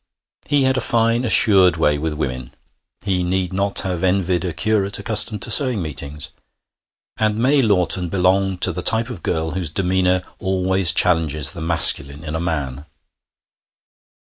He had a fine assured way with women (he need not have envied a curate accustomed to sewing meetings), and May Lawton belonged to the type of girl whose demeanour always challenges the masculine in a man.